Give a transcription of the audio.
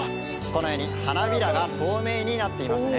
このように花びらが透明になっていますね。